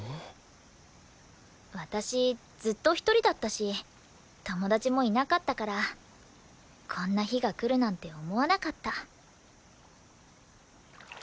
私ずっと一人だったし友達もいなかったからこんな日が来るなんて思わなかった。